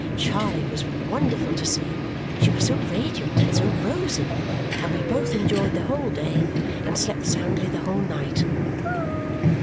Charley was wonderful to see, she was so radiant and so rosy; and we both enjoyed the whole day and slept soundly the whole night.